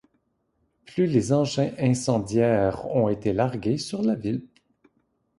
Plus de engins incendiaires ont été largués sur la ville.